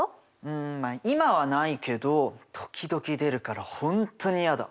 うん今はないけど時々出るから本当に嫌だ。